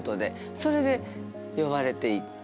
それで呼ばれて行って。